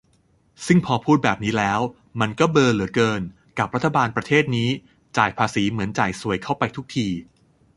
ซึ่งพอพูดแบบนี้แล้ว มันก็เบลอเหลือเกินกับรัฐบาลประเทศนี้ จ่ายภาษีเหมือนจ่ายส่วยเข้าไปทุกที